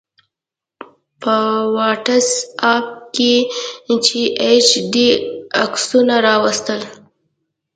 په واټس آپ کې یې ایچ ډي عکسونه راواستول